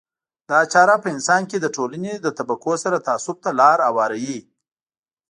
دا چاره په انسان کې د ټولنې له طبقو سره تعصب ته لار هواروي.